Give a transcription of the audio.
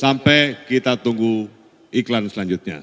sampai kita tunggu iklan selanjutnya